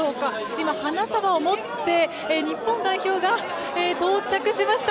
今、花束を持って日本代表が到着しました。